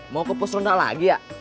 mau ke pusrunda lagi ya